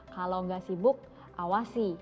kalau nggak sibuk awasi